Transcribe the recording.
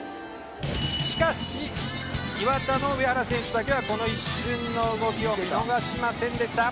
しかし磐田の上原選手だけはこの一瞬の動きを見逃しませんでした。